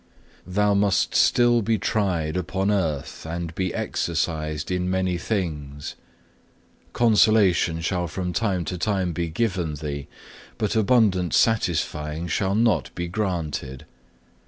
4. "Thou must still be tried upon earth, and be exercised in many things. Consolation shall from time to time be given thee, but abundant satisfying shall not be granted.